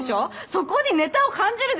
そこにネタを感じるでしょ？